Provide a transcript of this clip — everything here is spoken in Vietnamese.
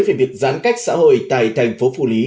về việc gián cách xã hội tại tp phủ lý